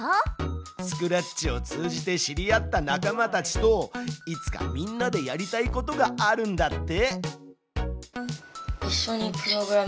スクラッチを通じて知り合った仲間たちといつかみんなでやりたいことがあるんだって。